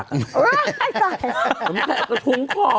ยังไม่ได้ตอบรับหรือเปล่ายังไม่ได้ตอบรับหรือเปล่า